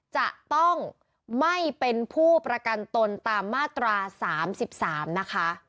จะต้องไม่เป็นผู้ประกันตนตามมาตรา๓๓นะคะ